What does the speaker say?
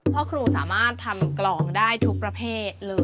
พ่อครูสามารถทำกลองได้ทุกประเภทเลย